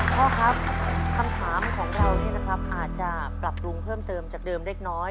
พ่อครับคำถามของเราอาจจะปรับปรุงเพิ่มเติมจากเดิมเล็กน้อย